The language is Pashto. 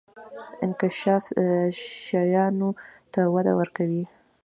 انکشاف شیانو ته وده ورکوي.